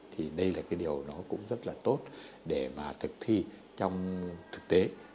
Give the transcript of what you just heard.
thì đây là cái điều đó cũng rất là tốt để mà thực thi trong thực tế